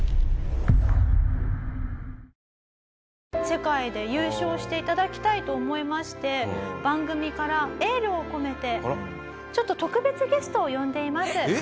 世界で優勝して頂きたいと思いまして番組からエールを込めてちょっと特別ゲストを呼んでいます。